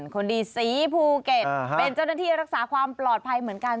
คนดีสีภูเก็ตเป็นเจ้าหน้าที่รักษาความปลอดภัยเหมือนกัน